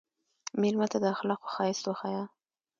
مېلمه ته د اخلاقو ښایست وښیه.